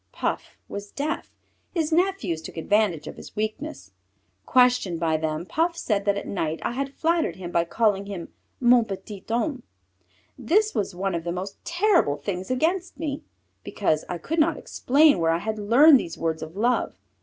Puff was deaf; his nephews took advantage of his weakness. Questioned by them, Puff said that at night I had flattered him by calling him, Mon petit homme! This was one of the most terrible things against me, because I could not explain where I had learned these words of love.